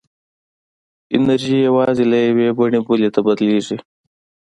انرژي یوازې له یوې بڼې بلې ته بدلېږي.